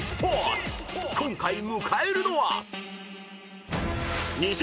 ［今回迎えるのは］